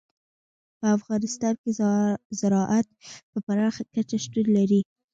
په افغانستان کې زراعت په پراخه کچه شتون لري.